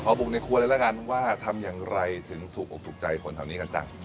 ใครถึงสูบอบสุขใจคนแถวนี้กันจัง